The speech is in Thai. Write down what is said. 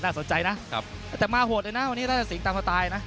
น่าสนใจนะแต่มาหวดเลยนะวันนี้สิงห์ตามต่อตายนะ